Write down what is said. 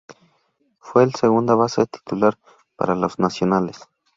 Fue el segunda base titular para los Nacionales.